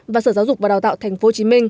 và sở giáo dục và đào tạo tp hcm